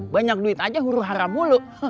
banyak duit aja huru hara bulu